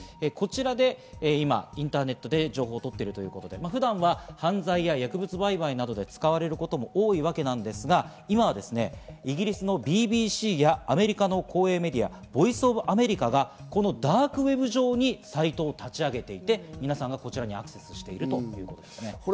こちらで今、インターネットで情報を取っているということで普段は犯罪や薬物売買などで使われることも多いわけですが、今、イギリスのＢＢＣや、アメリカの公営メディア、ボイス・オブ・アメリカがこのダークウェブ上にサイトを立ち上げていて、皆さんがこちらにアクセスしています。